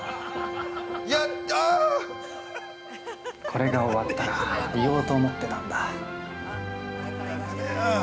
◆これが終わったら言おうと思ってたんだ。